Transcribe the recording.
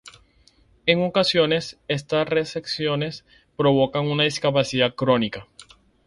En ocasiones, estas reacciones provocan una discapacidad crónica.